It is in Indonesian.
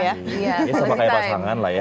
ini sama kayak pasangan lah ya